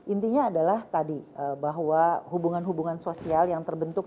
intinya adalah tadi bahwa hubungan hubungan sosial yang terbentuk